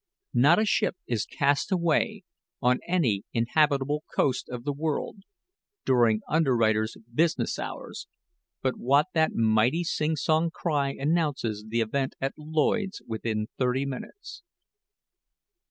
Not a ship is cast away on any inhabitable coast of the world, during underwriters' business hours, but what that mighty sing song cry announces the event at Lloyds within thirty minutes.